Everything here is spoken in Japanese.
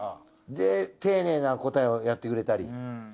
で丁寧な答えをやってくれたり。